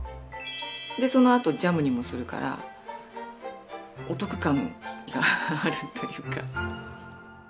でそのあとジャムにもするからお得感があるというか。